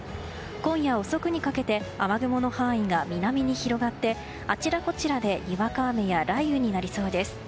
今夜遅くにかけて雨雲の範囲が南に広がってあちらこちらでにわか雨や雷雨になりそうです。